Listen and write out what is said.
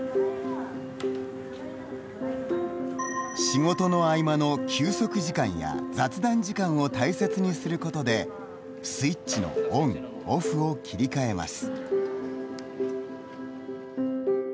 仕事の合間の休息時間や雑談時間を大切にすることでスイッチのオンオフを切り替えます。